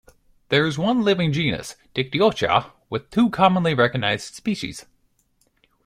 There is one living genus, Dictyocha, with two commonly recognised species.